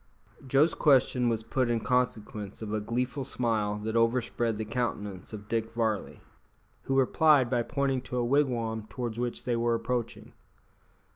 Joe's question was put in consequence of a gleeful smile that overspread the countenance of Dick Varley, who replied by pointing to a wigwam towards which they were approaching.